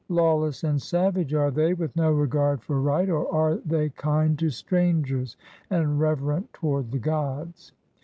Lawless and savage are they, with no regard for right, or are they kind to strangers and reverent toward the gods?